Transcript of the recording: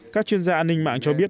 các chuyên gia an ninh mạng cho biết